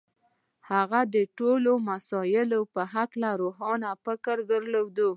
هغه د ټولو مسألو په هکله روښانه فکر درلود.